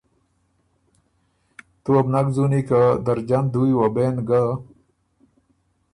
تُو وه بو نک ځُونی که درجن دُوی وه بېن ګۀ